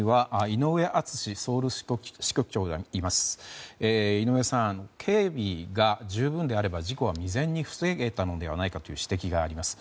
井上さん、警備が十分であれば事故は未然に防げたのではないかという指摘があります。